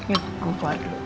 yuk aku keluar dulu